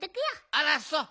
あらそう。